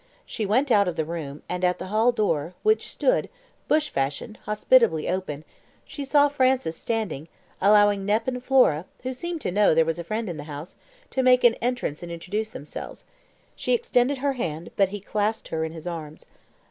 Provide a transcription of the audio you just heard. She went out of the room, and at the hall door, which stood (bush fashion) hospitably open, she saw Francis standing, allowing Nep and Flora, who seemed to know there was a friend in the house, to make an entrance and introduce themselves. She extended her hand, but he clasped her in his arms.